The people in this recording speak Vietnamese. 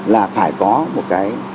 là phải có một cái